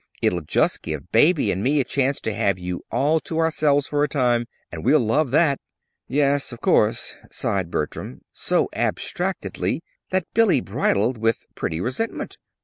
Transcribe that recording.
It'll just give Baby and me a chance to have you all to ourselves for a time, and we'll love that!' "Yes, of course," sighed Bertram, so abstractedly that Billy bridled with pretty resentment.